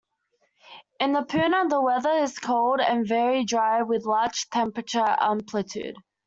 In the Puna the weather is cold and very dry with large temperature amplitude.